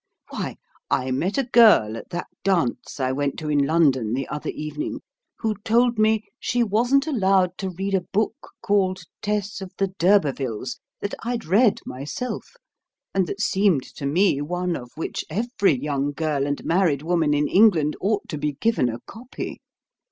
Why, I met a girl at that dance I went to in London the other evening, who told me she wasn't allowed to read a book called Tess of the D'Urbervilles, that I'd read myself, and that seemed to me one of which every young girl and married woman in England ought to be given a copy.